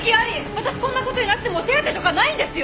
私こんな事になっても手当とかないんですよ。